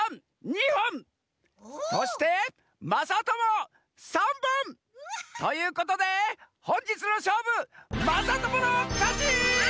２ほんそしてまさとも３ぼん！ということでほんじつのしょうぶやった！